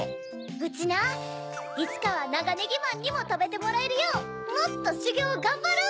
うちないつかはナガネギマンにもたべてもらえるようもっとしゅぎょうがんばる！